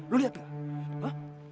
lo lihat tuh